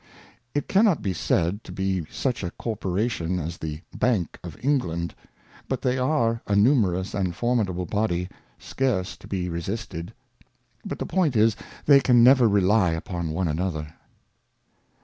It cannot be said to be such a Corporation as the Bank of England, but they are a numerous and formidable Body, scarce to be resisted ; but the Point is, they can never rely upon one another.